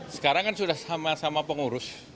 sekarang kan sudah sama sama pengurus